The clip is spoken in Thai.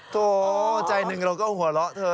โถใจหนึ่งเราก็หัวเราะเธอ